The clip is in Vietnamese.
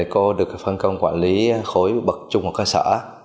cô được phân công quản lý khối vật trung học cơ sở